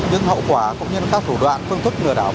những hậu quả cũng như các thủ đoạn phương thức lừa đảo